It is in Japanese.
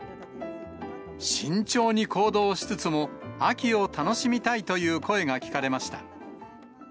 慎重に行動しつつも、秋を楽しみたいという声が聞かれました。